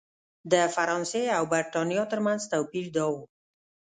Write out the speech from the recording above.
د فرانسې او برېټانیا ترمنځ توپیر دا و.